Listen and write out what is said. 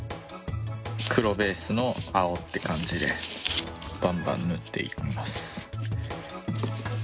黒ベースの青って感じでバンバン塗っていきます。